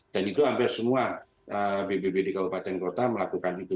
itu hampir semua bbb di kabupaten kota melakukan itu